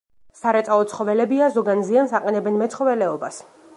სარეწაო ცხოველებია, ზოგან ზიანს აყენებენ მეცხოველეობას.